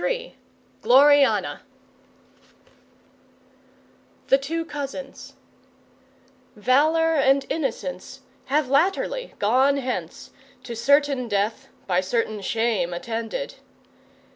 GLORIANA The Two Cousins Valour and Innocence Have latterly gone hence To certain death by certain shame attended.